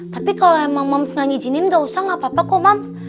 tapi kalau emang moms gak nyejinin enggak usah enggak apa apa kok moms